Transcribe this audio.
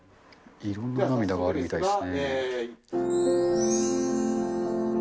いろんな涙があるみたいですね。